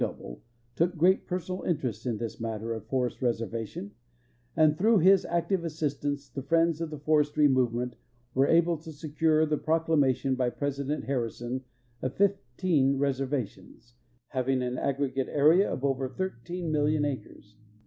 Xol>]i . took great personal interest in this matter of forest reservation, and tiirough his active assistance the friends of the forestry movement were able to secure the proclamation l)y Prej;ident Harrison of fifteen reservations, having an aggregate area of over thirteen million acres.